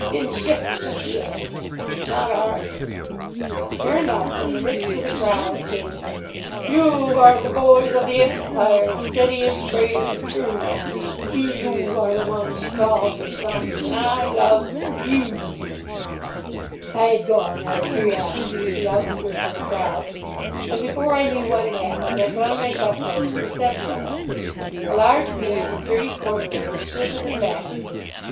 "Bin shiftin' it, 'e 'as, not 'arf!" Sure enough, from the midst of the crowd came: Yew are ther boys of the Empire, Steady an' brave an' trew. Yew are the wuns She calls 'er sons An' I luv yew. I had gone, out of curiosity, to the outskirts of the crowd, and before I knew what had happened I found myself close to the centre of it. A large man in dirty corduroys stood with his back to me.